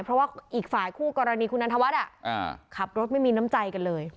เพราะว่าอีกฝ่ายคู่กรณีคุณนันทวัฒน์ขับรถไม่มีน้ำใจกันเลย